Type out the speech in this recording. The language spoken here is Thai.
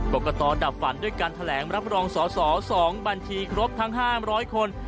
กรกตดับฝันด้วยการแถลงรับรองสอสอ๒บัญชีครบทั้ง๕๐๐คน